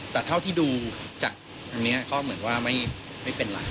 แต่เท่าที่ดูจากตรงนี้ก็เหมือนว่าไม่เป็นไร